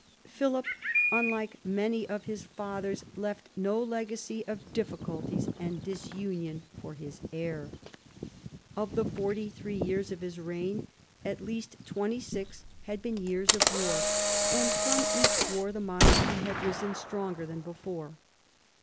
Philip, unlike many of his fathers, left no legacy of difficulties and disunion for his heir. Of the forty three years of his reign at least twenty six had been years of war, and from each war the monarchy had risen stronger than before.